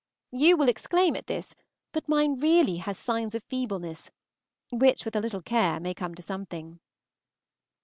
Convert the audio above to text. You will exclaim at this, but mine really has signs of feebleness, which with a little care may come to something.